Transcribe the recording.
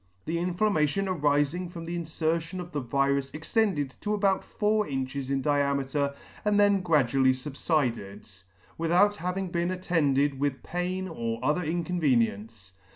The inflammation arifing from the infertion of the virus extended to about four inches in diameter, and then gradually fubfided, without having been attended with pain or other inconvenience.